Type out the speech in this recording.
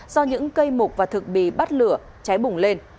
do những cây mục và thực bị bắt lửa cháy bùng lên